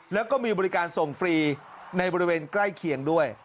แล้วก็มีบริการส่งฟรีในบริเวณใกล้เคียงด้วย